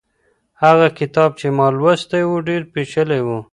هغه کتاب چي ما لوستی و، ډېر پېچلی و.